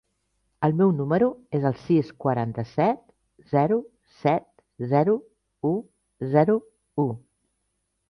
El meu número es el sis, quaranta-set, zero, set, zero, u, zero, u.